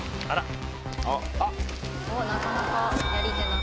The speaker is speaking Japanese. あら！